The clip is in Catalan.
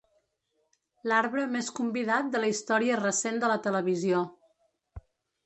L'arbre més convidat de la història recent de la televisió.